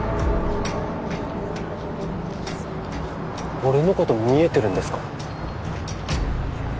俺のこと見えてるんですか？